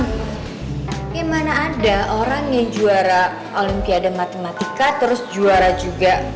bagaimana ada orang yang juara olimpiade matematika terus juara juga